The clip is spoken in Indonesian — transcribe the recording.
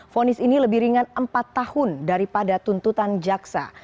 fonis ini lebih ringan empat tahun daripada tuntutan jaksa